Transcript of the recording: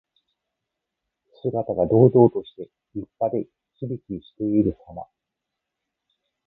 姿が堂々として、立派で、きびきびしているさま。